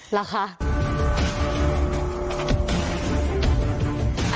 เหรอคะ